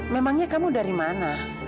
memangnya kamu dari mana